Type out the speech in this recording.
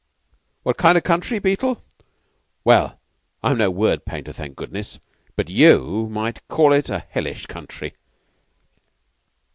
What kind o' country, Beetle? Well, I'm no word painter, thank goodness, but you might call it a hellish country!